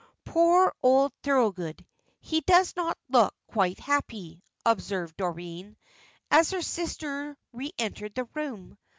"Poor old Thorold, he does not look quite happy," observed Doreen, as her sister re entered the room.